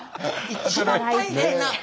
一番大変な。